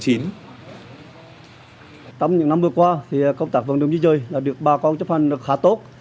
tầm những năm vừa qua thì công tác vận động di rời là được bà con chấp hành được khá tốt